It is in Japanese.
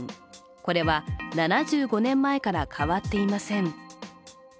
これは７５年前から変わっていません。